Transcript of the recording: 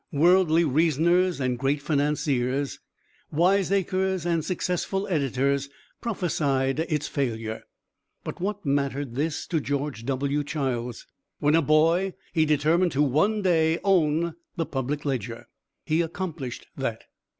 Worldly reasoners and great financiers, wiseacres and successful editors prophesied its failure, but what mattered this to George W. Childs? When a boy he determined to one day own the Public Ledger; he accomplished that.